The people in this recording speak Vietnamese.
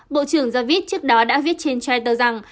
bộ trưởng javid trước đó đã viết trên twitter rằng